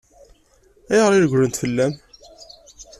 Ayɣer i regglent fell-am?